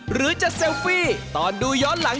หรือจะเซลฟี่ตอนดูย้อนหลัง